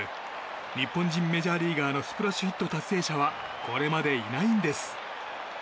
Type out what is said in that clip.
日本人メジャーリーガーのスプラッシュヒット達成者はこれまでいないんです。